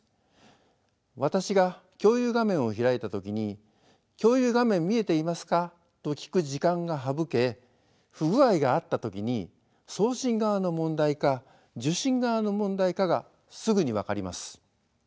私が共有画面を開いた時に「共有画面見えていますか？」と聞く時間が省け不具合があった時に送信側の問題か受信側の問題かがすぐに分かります。